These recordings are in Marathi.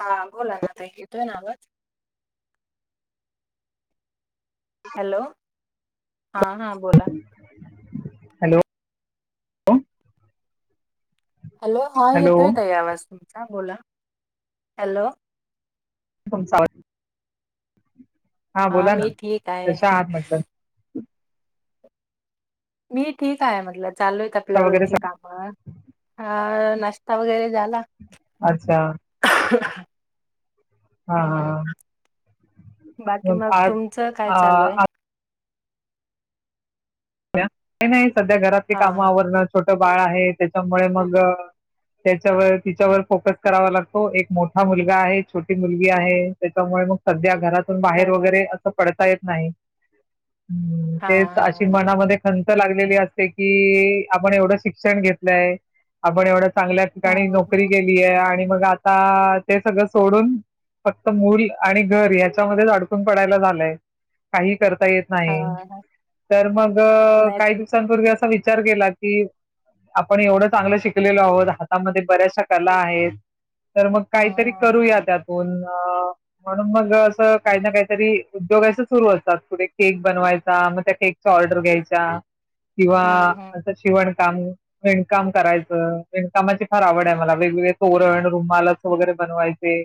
हा बोला ना ते येतोय ना आवाज हॅलो हा हा बोला हॅलोॅ हॅलो हा येतोय ताई आवाज तुमचा बोला हॅलो तुमचा आवाज हा बोला ना मी ठीक आहे. कशा आहात म्हटलं मी ठीक आहे म्हटल चालू आपल्या कशा वगैरे रोजची स- काम अ नाश्ता वगैरे झाला. अच्छा हा हम्म. ह बाकी मग तुमचं काय चालूय आज नाही सध्या घरातले हा काम हा आवर बाळ आहे त्याच्यामुळे मग त्याच्यावर तिच्यावर फोकस करावा लागतो एक मोठा मुलगा आहे छोटी हो बाहेर वगैरे असं पडत येत नाही ह् हा तेच अशी हा. मा खंत लागलेली असते की आपण एवढ शिक्षण घेतलंय आपण एवढ चांगल्या ठिकाणी हम्म नोकरी हम्म केली आहे आणि मग आता ते सगळं सोडून फक्त मूल आणि घर हच्यामध्येच अडकून पडायला झालंय काही करता येत हा नाही हा. तर मग नाही काही दिवसांपूवी विचार केला की आपण एवढं चांगलं शिकलेलो आहोत हातामध्ये बऱ्याचशा कला आहेत तर मग हम्म काहीतरी हम्म करूया त्यात प म्हणून मग असं काही ना काहीतरी उद्योगा सुरू असतात पुढे केक बनवायचा मग त्या केकचा ऑर्ड घ्यायच्या किंवा हम्म हम्म अस शिवण म इणकाम करायचं इण्कामाची फार आवड आहे मला वेगवेगळे तोरण रुमालस वगैरे बनवायचे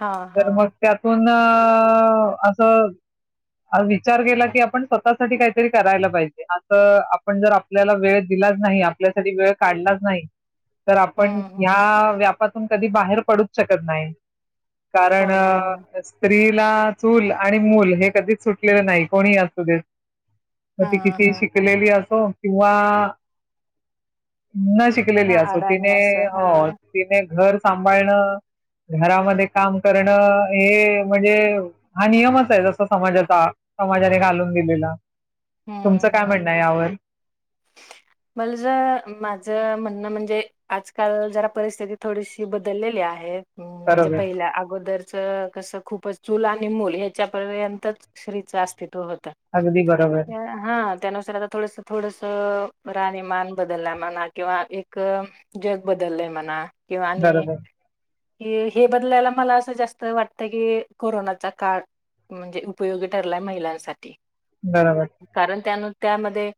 हा हा तर मग त्यातून अस विचार केला की आपण स्वतःसाठी काय री करायला पाहिजे असं आपण जर आपल्याला वेळ दिलाच नाही आपल्यासाठी वेळ काढलाच नाही तर आपण हम्म हम्म ह्या व्या ून कधी बाहेर पडूच शकत नाही कारण हो ना हो ना स्त्री चूल आणि मूल हे कधीच सुटलेलं नाही कोणी अस दे क हा ती किती हा. शिकलेली असो किंवा शिकलेली हा असो अडाणी तिने असं हा तिने घर सांभाळणं घरामध्ये काम करणं हे म्हणजे हा नियमच आहे जस समाजाचा समाजाने घालून दिलेला तुमचं हम्म काय हम् म्हणणं आहे यावर? मला ज माझ म्हणणं म्हणजे आजकाल जरा परिस्थिती थोडीशी बदललेली आहे हम म्हणजे बरोबर. पहिल्या अगोदरच कसं खूपच चूल आहे आणि मूल हच्या पर्यंतच स्त्रीचं अस्तित्व होत अगदी बरोबर हा त्यानुसार आता थोडस थोडस रा आणि मान बदललाय म्हणा किंवा एक जग बदललय म्हणा किंवा आणि बरोबर. हे हे बदलायला मला असं जास्त वाटतं की कोरोनाचा काळ म्हणजे उपयोगी ठरलाय महिलांसाठी बरोबर. कारण त्यान- त्यामध्ये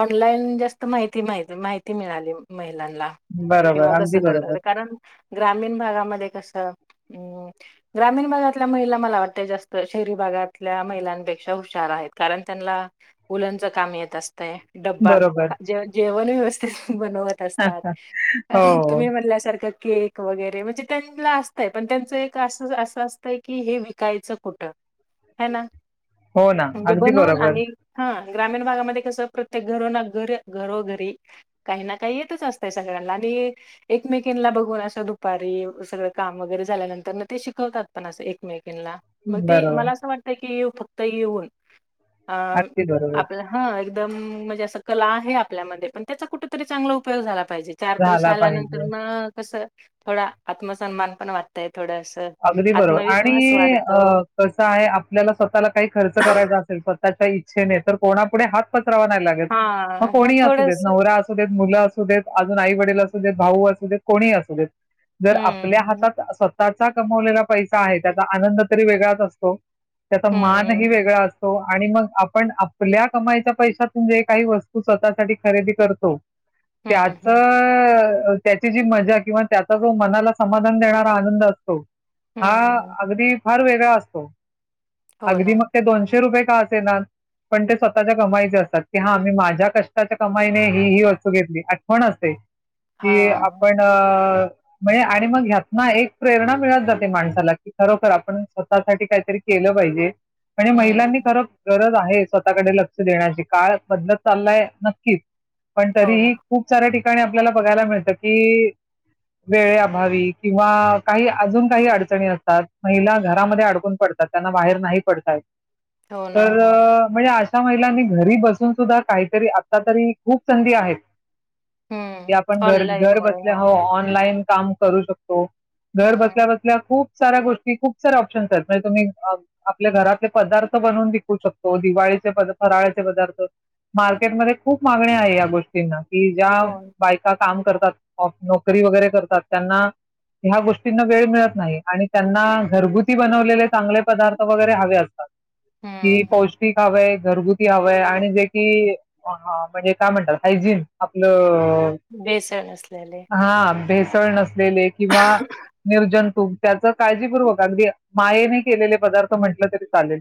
ऑनलाईन जास्त माहिती मा माहिती मिळाली. [unintelligible] बरोबर. किंवा कस अगदी बरोबर. करत कारण. ग्रामीण भागामध्ये कस? अं ग्रामीण भागातल्या महिला मला वाटत जास्त शहरी भागातल्या महिलांपेक्षा हुशार आहेत कारण- त्यांनला वूलनच काम येत अस. [unintelligible] तया ड्बा बरोबर. ज जेव- दोन्ही व्यवस्थित बनवत असतात, हो, तुम्ही म्हणल्यासारखं- केक वगैरे म्हणजे त्यांना असतंय पण त्यांचं एक अस असतंय की हे विकायचं कुठं? हाय ना. हो ना म्हणजे अगदी बनवून बरोबर. आणि हा- ग्रामीण भागामध्ये कसं प्रत्येक घरो ना घरी घरोघरी ग्रामीण भागामध्ये कसं प्रत्येक घरो ना घर घरी काही ना काही येतच असतय सगळ्यांना आणि एकमेकीना बघून असं दुपारी सगळं काम वगैरे झाल्यानंतर ते शिकवतात पण असं एकमेक- त्यांना म ते मला बरोबर. अस वाटतये की - फक्त [unintelligible] होईल. अ अगदी बरोबर. आपलं हा. एकदम म्हणजे अस कला आहे आपल्यामध्ये पण त्याचा कुठेतरी चांगला उपयोग झाला- पाहिजे चार पैसे झाला आल्यानंतर पाहिजे. मग कस- थोडा आत्मसन्मान पण वाटतये. अगदी बरोबर आणि- अ वाढतो कसं आहे आपल्याला स्वतःला काही खर्च करायचा असेल- [unintelligible] इच्छेने तर कोणापुढे हात पस - राव नाही लागत हा मग हा कोणी असू देत थोडस नवरा असू देत मुलं असं - अजून आई वडील असू देत भाऊ असू देत कोणीही असू देत जर आपल्या हम्म हातात अस- [unintelligible] कमवलेला पैसा आहे त्याचा आनंद तरी वेगळाच असतो. त्याचा मान हं, ही वेगळा - हो, आणि मग आपण आपल्या कमाईच्या पैशातून जे काही वस्तू स्वतःसाठी खरेदी करतो- त्याच हं, हं, त्याची जी मजा किंवा त्याचा जो मनाला समाधान देणारा आनंद हो. हा हं. -अगदी फार वेगळा असतो. हो ना. अगदी मग ते दोनशे- रुपये का असेनातं पण ते स्वतःच्या कमाईचे असतात की हा मी माझ्या कष्टाच्या कमाईने ही ही वस्तू घेतली आठवण असते. कि हां. आपण अ- म्हणजे आणि मग ह्यातना एक प्रेरणा मिळत जाते माणसाला कि खरोखर आपण स्वतःसाठी काहीतरी केलं पाहिजे. म्हणजे महिलांनी हं. खरंच गरज आहे स्वतःकडे लक्ष देण्याची काळ बदलत चाललाय नक्कीच. पण हो ना. तरीही खूप साऱ्या टिक णी आपल्याला बघायला मिळत कि वेळेअभावी किंवा काही अजून काही अडचणी असतात महिला घरामध्ये अडकून पडतात. त्यांना बाहेर नाही पडता येत. हो ना, तर हो. म्हणजे महिलांनी घरी बसून सुद्धा काहीतरी आता तरी खूप संधी आहेत हं. ते आपण घर घर ऑनलाईनमुळे बसल्या हो हां. ऑनलाईन काम करू शकतो. घर बसल्या हं. बसल्या खूप साऱ्या गोष्ट खूप साऱ्या ऑप्शन्स आहेत म्हणजे तुम्ही आपल्या घरातले पदार्थ बनवून विकू शकतो, दिवाळीचे फराळाचे पदार्थ मार्केटमध्ये खूप मागणी आहे या गोष्टींना. कि ज्या हो. बायका काम करतात, नोकरी वगैरे करतात, त्यांना ह्या गोष्टींना वेळ मिळत नाही. आणि त्यांना घरगुती बनवलेले चांगले पदार्थ वगैरे हवे असते. कि हं, हं. पौष्टिक हव घरगुती हव आहे, आणि जे की म्हणजे काय म्हणतात हायजीन आपलं हो भेसळ नसलेले. हा बेस. सळ नसलेले. किंवा निर्जन तुम त्याच काळजीपूर्वक अगदी मायेने केलेले पदार्थ म्हटलं तरी चालेल.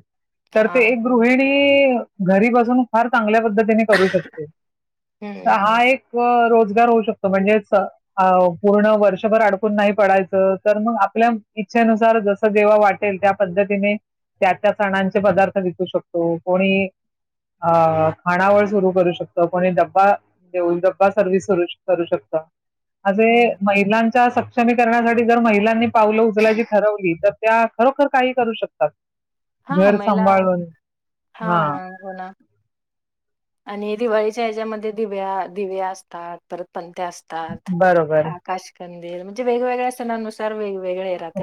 तर ते हां, एक हो ना. गृहिणी घरी बसून फार चांगल्या पद्धतीने करू शकते हं, हा हं. एक रो गार होउ शकतो, म्हणजे पूर्ण वर्षभर अडकून नाही पडायचं तर मग आपल्या इच्छेनुसार जस जेव्हा वाटेल त्या पद्धतीने त्या त्या सणांचे पदार्थ विकू शकतो, कोणी अ खाणावळ सुरू करू शकत, कोणी डब्बा देऊन डब्बा सर्विस सुरू करू शकतं. आज हो ना. महिलान च्या सक्षमीकरणासाठी जर महिलांनी पावलं उजलायची ठरवली तर त्या खरोखर काही करू शकतात. हा घर महिला सांभाळून हा हां, हा हो ना. आणि दिवाळीच्या ह्याच्यामध्ये दिव्या दिव्या असतात तर पण असतात बरोबर. आकाश, कंदील म्हणजे वेगवेगळ्या सणानुसार वेग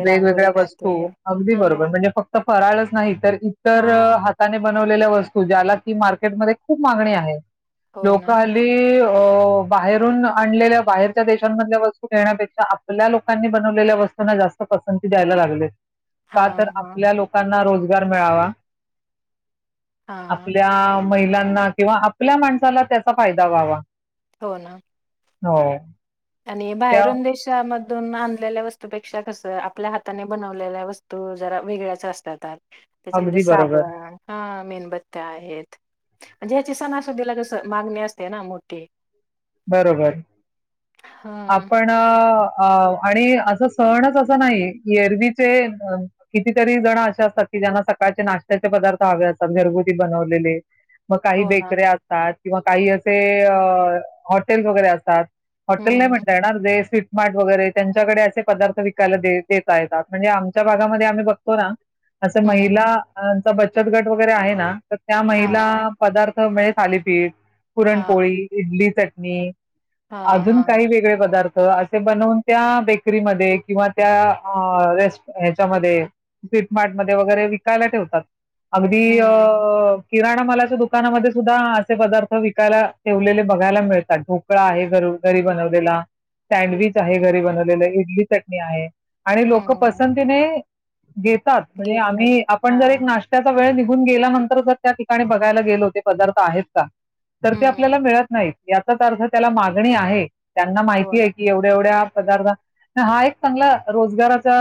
वेगवेगळ्या वस्तू अगदी हां, बरोबर. म्हणजे फक्त फराळच नाही. तर इतर.. हां. हाताने ब बनवलेल्या वस्तू ज्याला की मार्केटमध्ये खूप मागणी आहे. हो लोक ना. हल्ली बाहेरून आणलेल्या बाहेरच्या देशांमधल्या वस्तू घेण्यापेक्षा. आपल्या लोकांनी बनवलेल्या वस्तू ना जास्त पसंती द्यायला लागलेत. का हां, तर? हां. आपल्या लोकांना रोज बाजार मिळावा हां. आपल्या महिलांना किंवा आपल्या माणसाला त्याचा फायदा व्हावा. हो.. ना. हो. आणि त्या बाहेरून देशामध्ये तून आणलेल्या वस्तूपेक्षा. कस आपल्या हाताने बनवलेल्या वस्तू जरा वेगळ्याच असतात. त्याच्यामध्ये अगदी बरोबर साबण, ह. मेनबत्त्या आहेत. म्हणजे ह्याची सणासुदीला कस मागणी असते ना मोठी. बरोबर. हं आपण अ आणि असं सणच असं नाही. एरवीचे कितीतरी जण असे असतात की ज्यांना सकाळचे नाश्त्याचे पदार्थ हवे असतात घरगुती बनवलेले. मग काही हो ना. बेकरया असतात. किंवा काही असे अ हॉटेल्स वगैरे असतात. हॉटेल नाही हं. म्हणता. येणारे स्वीट माट वगैरे त्यांच्याकडे असे पदार्थ विकायला देत आहेत. म्हणजे आमच्या भागामध्ये आम्ही बघतो ना. असं हं, महिला हं. अ बचत गट वगैरे आहे ना. तर त्या हां, महिला हां. पदा थालीपीठ [unintelligible] हां, पुरणपोळी, इडली चट मी.. हां. अजून हां. काही वेगळे पदार्थ तर असे बनवून. त्या बेकरीमध्ये किंवा त्या रेस् ह्याच्यामध्ये फ्लिपमार्ट मध्ये वगैरे विकायला ठेवतात. अगदी अ.. हं, किराणा मालाच्या दुकानामध्ये सुद्धा असे पदार्थ विकायला ठेवलेले बघायला मिळ ढोकळा आहे घर घरी बनवलेला सँडविच आहे घरी बनवलेलं इडली चटणी आहे आणि लोक हं. पसंतीने घेतात. म्हणजे घेतात. आम्ही आपण जर एक हां. नाश्त्याचा वेळ निघ बघून गेल्यानंतर जर त्या ठिकाणी बघायला गेलोते पदार्थ आहेत का तर ते हं, आपल्याला हं. मिळत नाहीत याचाच अर्थ त्याला मागणी आहे. त्यांना हो माहिती ना. आहे की एवढ्या एवढ्या पदार्थ हा एक चांगला रोजगाराचा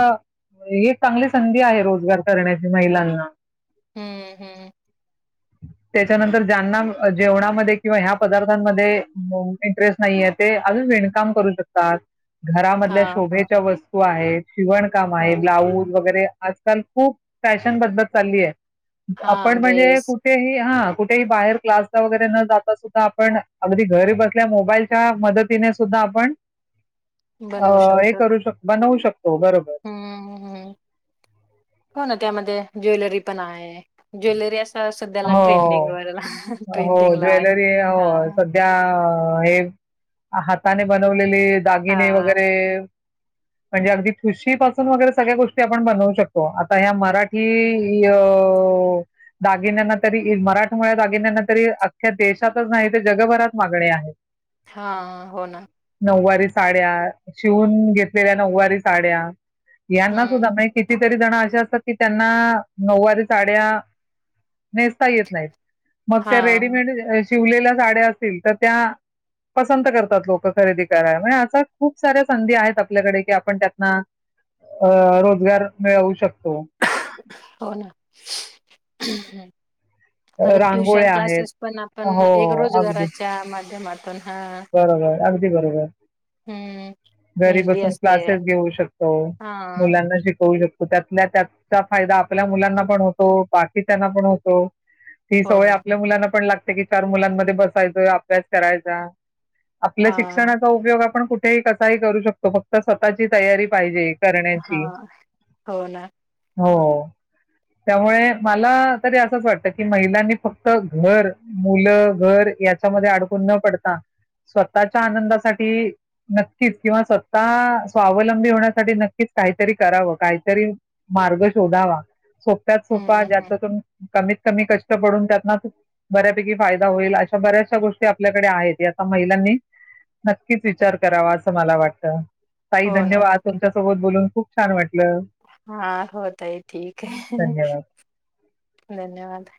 एक चांगली संधी आहे रोजगार करण्याची महिलांना हम्मम हम्म त्याच्यानंतर ज्यांना जेवणामध्ये किंवा ह्या पदार्थांमध्ये इंटरेस्ट नाहीय ते अजून विणकाम करू शकतात. घरामधल्या हां, हां. शोभेच्या वस्तू आहे आहे शिवण काम हो आहे, ना. ब्लाऊज वगैरे आजकाल खूप फॅशन बदत चालली आहे आपण हां, म्हणजे ड्रेस कुठेही हा कुठेही बाहेर क्लासला वगैरे न जाता सुद्धा आपण अगदी घरी बसल्या मोबाईलच्या मदतीने सुद्धा आपण अ बनवू हे शकतात. करू शक बनवू शकतो. हो बरोबर. हं, हं. हो ना त्यामध्ये ज्वेलरी पण आहे. ज्वेलरी अस हो हो ट्रेंडिंगला आहे ज्वेलरी ते हो हां. सध्या हे हाताने बनव आसलेले दागिने हां, वगैरे म्हणजे अगदी ठुशी पासून वगैरे सगळ्या गोष्टी आपण बनवू शकतो. आता ह्या मराठी ह्यो गिन्या तरी मराठमोळ्या दागिन्यांना तरी अख्ख्या देशातच नाही तरी जगभरात मागणी आहे. हा हो ना नऊवारी साड्या शिवून घेतलेल्या नऊवारी साड्या यांना सुद्धा हं, मय कितीतरी काहीजण असे असतात, की त्यांना नऊवारी साडया नेसता येत नाहीत. मग त्या हां. रेडीमेड शिवलेल्या साड्या असतील, तर त्या पसंत करतात लोकं खरेदी करायला. म्हणजे अशा खूप साऱ्या संधी आहेत आपल्याकडे की आपण अं रोजगार मिळवू शकतो. हो ना [unintelligible] अ, परत ट्युशन रांगोळ्या आहेत. क्लासेस पण आपण एक हो, अगदी. रोजगाराच्या माध्यमात पन हा बरोबर, अगदी बरोबर घरी मेहंदी बसून असते. क्लासेस घेऊ शकतो. हां, मुलांना शिकवू शकतो. त्यातल्यात्यात त्याचा फायदा आपल्या मुलांना पण होतो. बाकी त्यांना पण होतो. ती हो सवय ना. आपल्या मुलांना पण लाग की चार मुलांमध्ये बसायच अभ्यास करायचा. आपल्या हां, शिक्षणाचा उपयोग आपण कुठ कुठेही कसाही करू शकतो. फक्त स्वतःची तयारी पाहिजे. हा करण्याची हो ना हो त्यामुळे मला तरी असंच वाटत की महिलांनी फक्त घर मुलं घर याच्यामध्ये अडकून न पडता स्वतःच्या आनंदासाठी नक्कीच किंवा स्वतः स्वावलंबी होण्यासाठी नक्कीच काहीतरी करावं. काहीतरी मार्ग शोधावा. सोप्यात सोपा हं, हं. जाच तुम्ही कमीत कमी कष्ट कडून त्यातन बऱ्यापैकी फायदा होईल अशा बऱ्याचशा गोष्टी आपल्याकडे आहेत. महिलांनी नक्कीच विचार करावा असं मला वाटत. ताई धन्यवाद तुमच्या सोबत बोलून खू छान वाटं.. हा होता ह ठीक ह धन्यवाद. धन्यवाद...